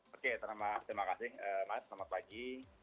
oke terima kasih mas selamat pagi